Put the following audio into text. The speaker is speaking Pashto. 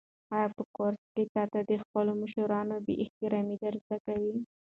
آیا په کورس کې تاته د خپلو مشرانو بې احترامي در زده کوي؟